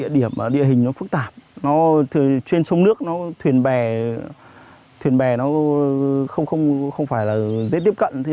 thứ nhất là địa hình phức tạp trên sông nước thuyền bè không dễ tiếp cận